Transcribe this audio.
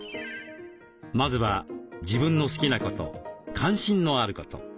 まずは自分の好きなこと関心のあること。